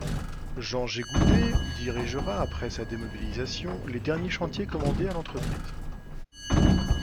Jean Jégoudez dirigera, après sa démobilisation, les derniers chantiers commandés à l’entreprise.